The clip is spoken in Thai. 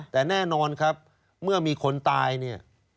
แต่แน่นอนครับเมื่อมีคนตายเนี่ย